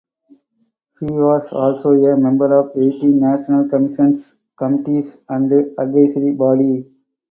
He was also a member of eighteen national commissions, committees and advisory bodie.